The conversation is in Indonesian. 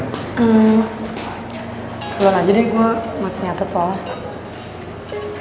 belum aja deh gue masih nyatet soalnya